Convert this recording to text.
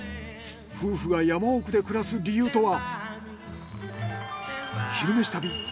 夫婦が山奥で暮らす理由とは？